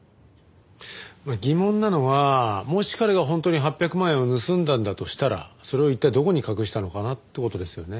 疑問なのはもし彼が本当に８００万円を盗んだんだとしたらそれを一体どこに隠したのかなって事ですよね。